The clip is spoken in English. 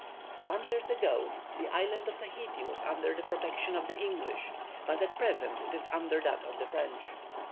Some years ago the island of Tahiti was under the protection of the English, but at present it is under that of the French.